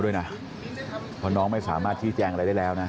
ลูกสาวหลายครั้งแล้วว่าไม่ได้คุยกับแจ๊บเลยลองฟังนะคะ